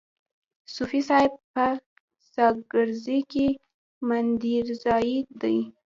صوفي صاحب په ساکزی کي مندینزای دی.